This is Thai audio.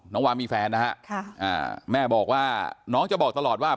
วามีแฟนนะฮะแม่บอกว่าน้องจะบอกตลอดว่า